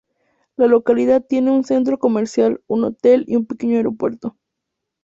La localidad tiene un centro comercial, un hotel y un pequeño aeropuerto.